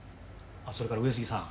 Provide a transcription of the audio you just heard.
それから上杉さん。